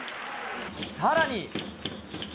さらに。